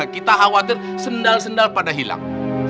kita khawatir sendal sendal pada hilang